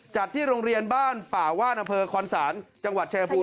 จัดที่โรงเรียนบ้านป่าว่านเผอร์ควันศาลจังหวัดเชียร์ภูมิ